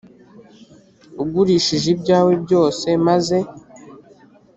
ugurishe ibyawe byose maze